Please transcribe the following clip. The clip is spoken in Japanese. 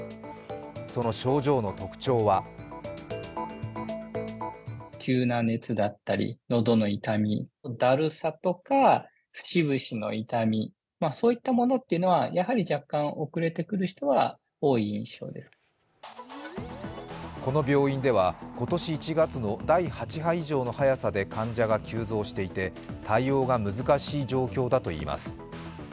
その症状の特徴はこの病院では今年１月の第８波以上の早さで患者が急増していて、対応が難しい状況だといいます。